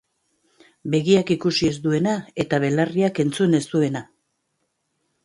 Begiak ikusi ez duena eta belarriak entzun ez duena.